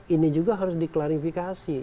ini juga harus diklarifikasi